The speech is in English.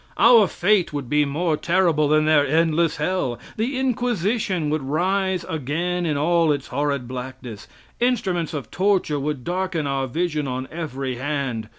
Our fate would be more terrible than their endless hell! The inquisition would rise again in all its horrid blackness! Instruments of torture would darken our vision on every hand!